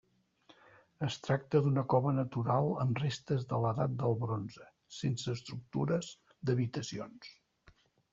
Es tracta d'una cova natural amb restes de l'Edat del Bronze, sense estructures d'habitacions.